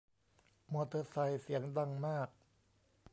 มอเตอร์ไซด์เสียงดังมาก